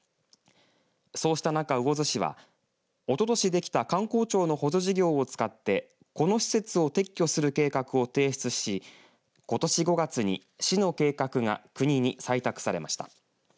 そうした中、魚津市はおととしできた観光庁の補助事業を使ってこの施設を撤去する計画を提出しことし５月に市の計画が国に採択されました。